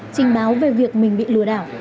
trình báo về việc mình bị lừa đảo